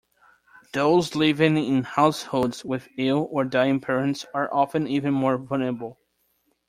Those living in households with ill or dying parents are often even more vulnerable.